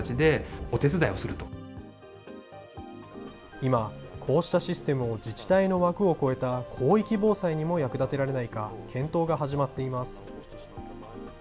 今、こうしたシステムを、自治体の枠を超えた広域防災にも役立てられないか、検討が始まっています。